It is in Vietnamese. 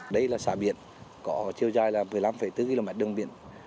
đây là xã biển có chiều dài là một mươi năm bốn km đường biển